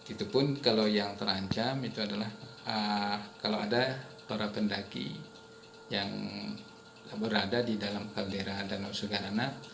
itu pun kalau yang terancam itu adalah kalau ada para pendaki yang berada di dalam kaldera danau sugana